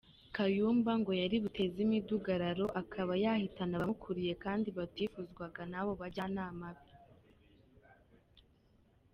Kayumba ngo yari buteze imidugararo akaba yahitana abamukuriye kandi batifuzwaga n’abo bajyanama be.